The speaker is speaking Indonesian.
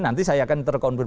nanti saya akan terkontrol